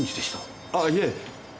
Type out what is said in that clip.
あっいえ。